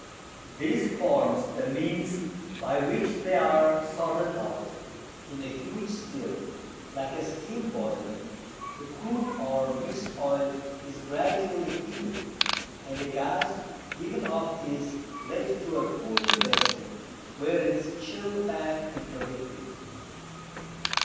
This forms the means by which they are sorted out. In a huge still, like a steam boiler, the crude or mixed oil is gradually heated, and the gas given off is led to a cooling vessel where it is chilled back into liquid.